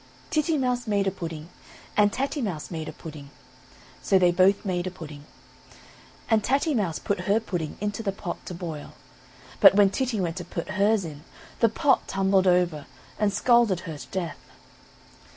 Titty Mouse made a pudding, and Tatty Mouse made a pudding, So they both made a pudding. And Tatty Mouse put her pudding into the pot to boil, But when Titty went to put hers in, the pot tumbled over, and scalded her to death.